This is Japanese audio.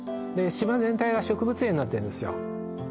島全体が植物園になってるんですよ